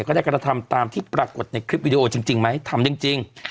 ก็ได้กระทำตามที่ปรากฏในคลิปวิดีโอจริงไหมทำจริง